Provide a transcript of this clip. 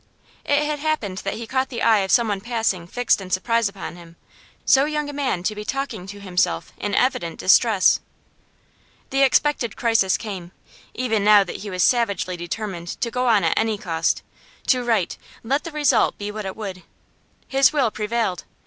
It had happened that he caught the eye of some one passing fixed in surprise upon him; so young a man to be talking to himself in evident distress! The expected crisis came, even now that he was savagely determined to go on at any cost, to write, let the result be what it would. His will prevailed.